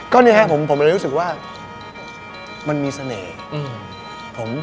ก็เนี่ยครับผมเลยรู้สึกว่ามันมีเสน่ห์